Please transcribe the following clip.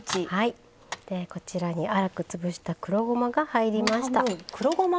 こちらに粗くつぶした黒ごまが入りました。